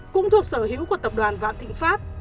cũng thuộc sở hữu của tập đoàn vạn thịnh pháp